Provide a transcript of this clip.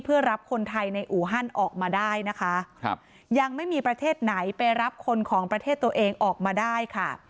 เพื่อรับคนไทยในอูฮันออกมาได้นะคะครับยังไม่มีประเทศไหนไปรับคนของประเทศตัวเองออกมาได้ค่ะ